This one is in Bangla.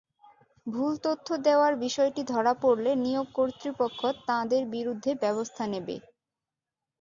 ভুল তথ্য দেওয়ার বিষয়টি ধরা পড়লে নিয়োগ কর্তৃপক্ষ তাঁদের বিরুদ্ধে ব্যবস্থা নেবে।